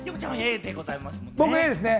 僕はＡですね。